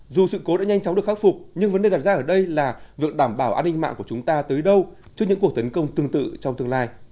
dù sự cố đã nhanh chóng được khắc phục nhưng vấn đề đặt ra ở đây là việc đảm bảo an ninh mạng của chúng ta tới đâu trước những cuộc tấn công tương tự trong tương lai